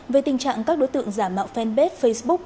về tình trạng các đối tượng giả mạo fanpage facebook